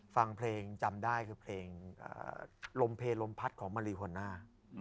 ฟังเพลงจำได้คือเพลงลมเพลลมพัดของมารีหัวหน้า